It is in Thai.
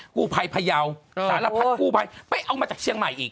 กู้ภัยพยาวสารพัดกู้ภัยไปเอามาจากเชียงใหม่อีก